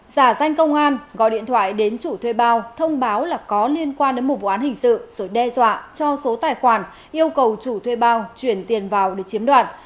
giả danh công an gọi điện thoại đến chủ thuê bao thông báo là có liên quan đến một vụ án hình sự rồi đe dọa cho số tài khoản yêu cầu chủ thuê bao chuyển tiền vào để chiếm đoạt